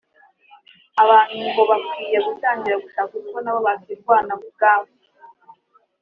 abantu ngo bakwiye gutangira gushaka uko nabo bakwirwanaho ubwabo